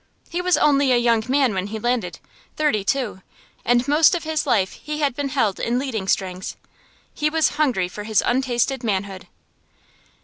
He was only a young man when he landed thirty two; and most of his life he had been held in leading strings. He was hungry for his untasted manhood.